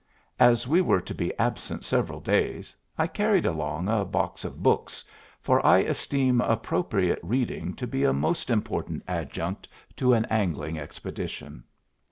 As we were to be absent several days I carried along a box of books, for I esteem appropriate reading to be a most important adjunct to an angling expedition.